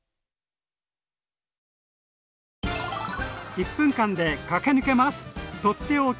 １分間で駆け抜けます！